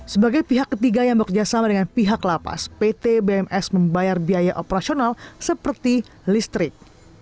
sebagai pihak ketiga yang bekerjasama dengan pihak lapas pt bms membayar biaya operasional seperti listrik